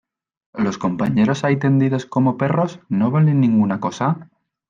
¿ los compañeros ahí tendidos como perros, no valen ninguna cosa?